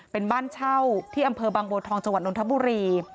เป็นบ้านเช่าที่อำเภอบางบัวทองจังหวัดนทบุรี